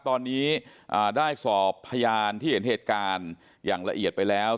ตอนนี้ได้สอบพยานที่เห็นเหตุการณ์อย่างละเอียดไปแล้ว